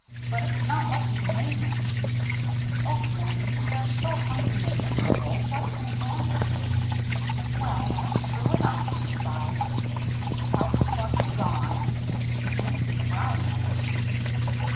"But it's not lucky to name him." "O Granny, we are so hungry and miserable, what can it matter?" "Well, that's true enough," she sighed. "Trout's luck is gone; it went with the Brownie, I believe."